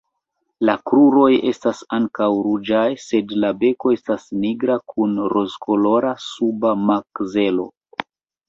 La kruroj estas ankaŭ ruĝaj sed la beko estas nigra kun rozkolora suba makzelo.